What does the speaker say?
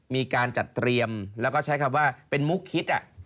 มีการจัดเตรียมแล้วก็ใช้คำว่าเป็นมุกคิด